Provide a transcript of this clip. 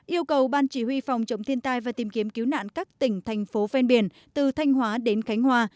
yêu cầu ban chỉ huy phòng chống thiên tai và tìm kiếm cứu nạn các tỉnh thành phố ven biển từ thanh hóa đến khánh hòa